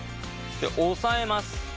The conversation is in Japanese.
押さえます。